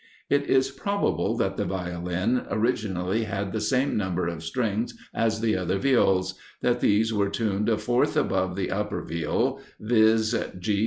It is probable that the Violin originally had the same number of strings as the other Viols; that these were tuned a fourth above the upper Viol, viz.